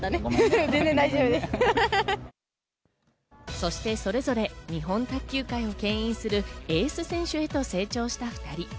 そして、それぞれ日本卓球界を牽引するエース選手へと成長した２人。